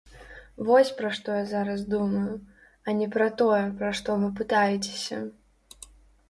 Вось, пра што я зараз думаю, а не пра тое, пра што вы пытаецеся.